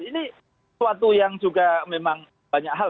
ini suatu yang juga memang banyak hal